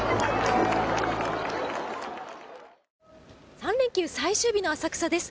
３連休最終日の浅草です。